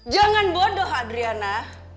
jangan bodoh adriana